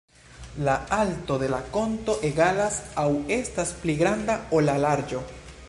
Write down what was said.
La alto de la konko egalas aŭ estas pli granda ol la larĝo.